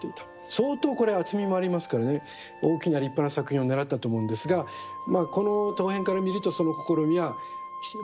相当これは厚みもありますからね大きな立派な作品をねらったと思うんですがまあこの陶片から見るとその試みはまあ残念ながらということで。